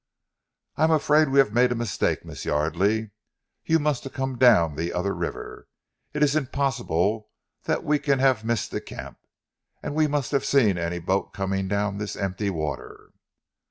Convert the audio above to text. "I am afraid we have made a mistake, Miss Yardely. You must have come down the other river. It is impossible that we can have missed the camp; and we must have seen any boat coming down this empty water."